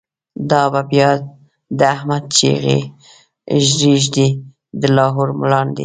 دا به بیا د« احمد» چیغی، ریږدوی د لاهور مړاندی